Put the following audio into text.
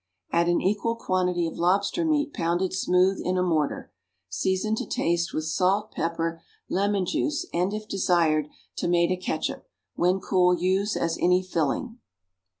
Add an equal quantity of lobster meat pounded smooth in a mortar. Season to taste with salt, pepper, lemon juice and, if desired, tomato catsup. When cool use as any filling.